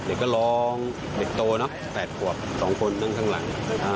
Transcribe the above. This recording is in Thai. เด็กก็ร้องเด็กโตนะแฝดหัว๒คนนั่งข้างหลัง